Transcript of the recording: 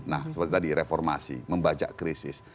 nah seperti tadi reformasi membajak krisis